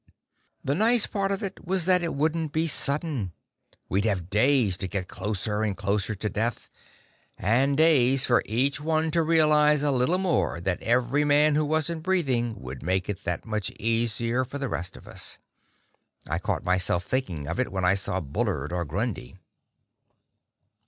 The nice part of it was that it wouldn't be sudden we'd have days to get closer and closer to death; and days for each one to realize a little more that every man who wasn't breathing would make it that much easier for the rest of us. I caught myself thinking of it when I saw Bullard or Grundy.